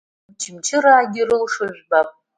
Очамчыраагьы ирылшо жәбап!